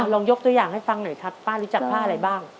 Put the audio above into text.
ลองยกตัวอย่างให้ฟังหน่อยครับป้ารู้จักผ้าอะไรบ้าง